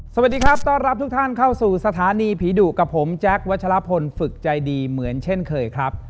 สวัสดีครับต้อนรับทุกท่านเข้าสู่สถานีผีดุกับผมแจ๊ควัชลพลฝึกใจดีเหมือนเช่นเคยครับ